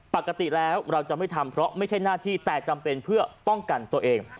ปกติแล้วเราจะไม่ทำเพราะไม่ใช่หน้าที่แต่จำเป็นเพื่อป้องกันตัวเอง